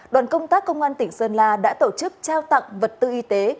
đoàn công tác công an tỉnh sơn la đã tổ chức trao tặng vật tư y tế